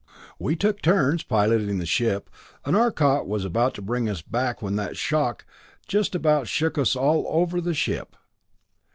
We took turns piloting the ship, and Arcot was about to bring us back when that shock just about shook us all over the ship.